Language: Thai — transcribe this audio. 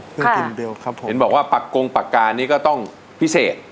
เห็นบอกว่าปากกงปากกานี่ก็ต้องพิเศษ